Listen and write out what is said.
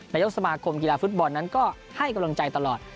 นายกสมาคมกีฬาฟุตบอลนั้นก็ให้กำลังใจตลอด